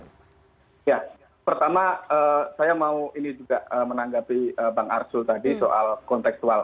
ya pertama saya mau ini juga menanggapi bang arsul tadi soal konteksual